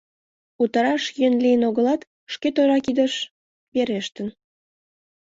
Утараш йӧн лийын огылат, шке тӧра кидыш верештын.